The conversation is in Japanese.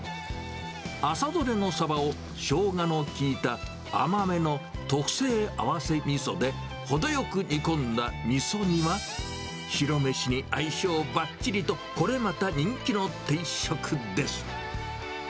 朝取れのサバを、ショウガの効いた甘めの特製合わせみそで程よく煮込んだみそ煮は、白飯に相性ばっちりと、これまた人気の定食です。